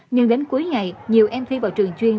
nhưng đến cuối ngày nhiều em thi vào trường chuyên